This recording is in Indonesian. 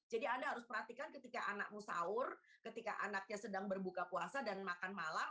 jadi anda harus perhatikan ketika anakmu sahur ketika anaknya sedang berbuka puasa dan makan malam